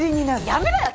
やめろや！